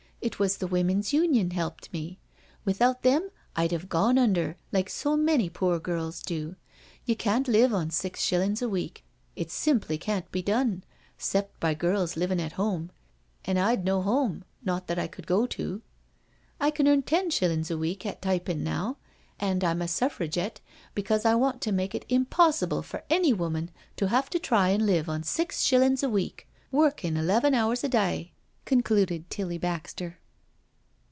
It was the Women's Union helped me. Without them I'd 'ave gone under, like so many poor girls do. You canft live on six shillings a week, it simply can't be done, 'cept by girls livin* at home, an' I'd no home — not that I could go to. I can earn ten shillin's a week at typin' now, and I'm a Suffragette because I want to make it impossible for any woman to have to try an' live on six shillin's a week, workin' eleven hours a day," concluded Tilly Baxter.